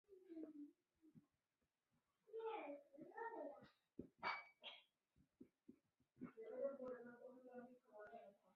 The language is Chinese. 圣叙尔皮克和卡梅拉克。